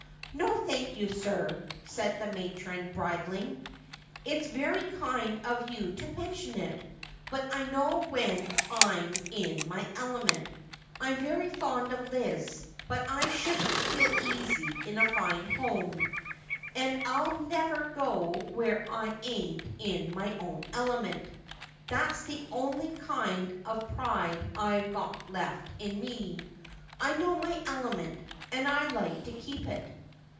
'No, thank you, sir,' said the matron, bridling, 'it's very kind of you to mention it, but I know when I'm in my element. I'm very fond of Liz, but I shouldn't feel easy in a fine house ; and Thicker than Water. 353 I'll never go where I ain't in my own element. That's the only kind of pride I've got left in me. I know my element, and I like to keep in it.'